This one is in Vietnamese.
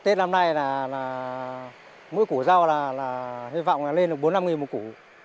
tết năm nay là mỗi củ rau là hy vọng lên được bốn năm nghìn một củ